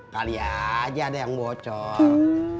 kali aja ada yang bocor